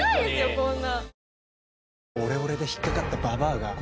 こんな。